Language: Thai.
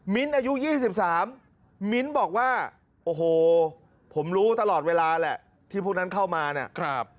อายุ๒๓มิ้นท์บอกว่าโอ้โหผมรู้ตลอดเวลาแหละที่พวกนั้นเข้ามาเนี่ย